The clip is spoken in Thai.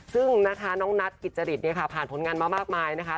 ซึ่งน้องนัทกิจจริตผ่านผลงานมามากมายนะคะ